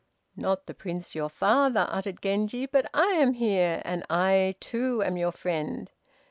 "Not the Prince, your father," uttered Genji, "but I am here, and I too am your friend.